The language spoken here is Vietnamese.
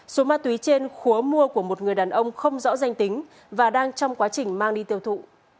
số ma túy trên khốa mua của một người đàn ông không rõ danh tính và đang trong quá trình mang đi tiêu thụ